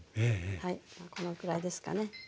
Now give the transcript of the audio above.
はいこのくらいですかね。